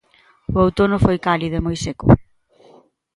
O outono foi cálido e moi seco.